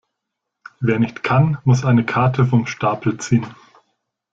Wer nicht kann, muss eine Karte vom Stapel ziehen.